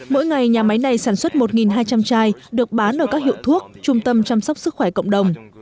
mỗi ngày nhà máy này sản xuất một hai trăm linh chai được bán ở các hiệu thuốc trung tâm chăm sóc sức khỏe cộng đồng